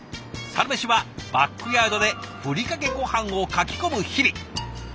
サラメシはバックヤードでふりかけごはんをかき込む日々。